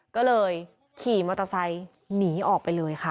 ก็เลยขี่มอเตอร์ไซค์หนีออกไปเลยค่ะ